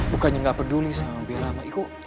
bukannya gak peduli sama bella ma